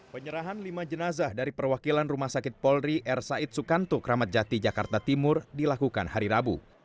penyerahan lima jenazah dari perwakilan rumah sakit polri r said sukanto kramat jati jakarta timur dilakukan hari rabu